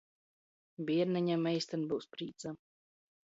Bierneņam eistyn byus prīca!